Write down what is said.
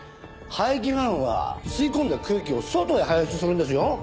排気ファンは吸い込んだ空気を外へ排出するんですよ？